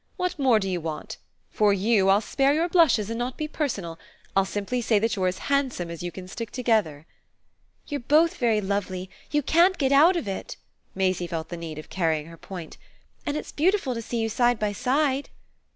What more do you want? For you, I'll spare your blushes and not be personal I'll simply say that you're as handsome as you can stick together." "You're both very lovely; you can't get out of it!" Maisie felt the need of carrying her point. "And it's beautiful to see you side by side."